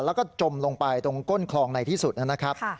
แล้วก็จมลงไปตรงก้นคลองในที่สุดนะครับ